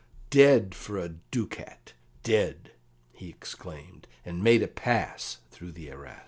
Dead, for a ducat, dead!" he exclaimed, and made a pass through the arras.